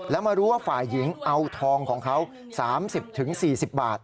แล้วมารู้ว่าฝ่ายหญิงเอาทองของเขา๓๐๔๐บาท